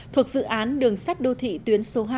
thuộc dự án đường sắt đô thị tuyến số hai